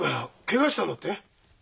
ケガしたんだって？